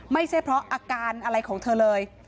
ไม่ใช่เพราะอาการอะไรของเธอเลย